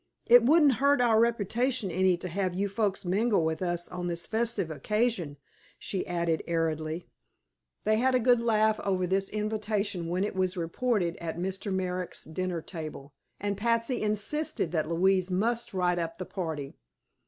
It wouldn't hurt our reputation any to have you folks mingle with us on this festive occasion," she added airily. They had a good laugh over this invitation when it was reported at Mr. Merrick's dinner table, and Patsy insisted that Louise must write up the party.